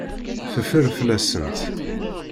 Teffer fell-asent.